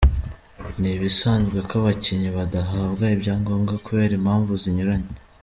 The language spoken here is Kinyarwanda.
Ni ibisanzwe ko abakinnyi badahabwa ibyangombwa kubera impamvu zinyuranye.